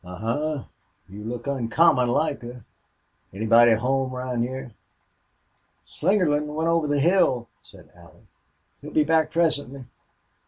"A huh! You look uncommon like her.... Anybody home round here?" "Slingerland went over the hill," said Allie. "He'll be back presently."